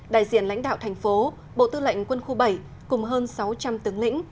đại diện lãnh đạo thành phố bộ tư lệnh quân khu bảy cùng hơn sáu trăm linh tướng lĩnh